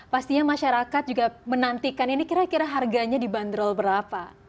pastinya masyarakat juga menantikan ini kira kira harganya dibanderol berapa